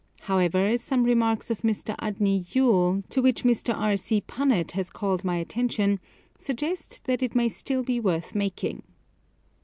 However, some remarks of Mr. Fdny Tule, to which Mr. R C. Punnett has called my attention, suggest that it may still be worth making.